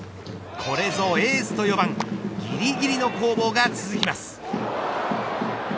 これぞエースと４番ぎりぎりの攻防が続きます。